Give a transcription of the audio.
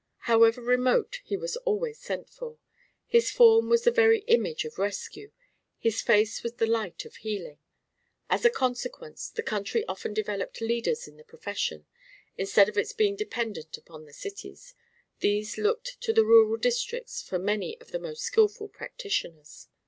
However remote, he was always sent for. His form was the very image of rescue, his face was the light of healing. As a consequence, the country often developed leaders in the profession. Instead of its being dependent upon the cities, these looked to the rural districts for many of the most skilful practitioners.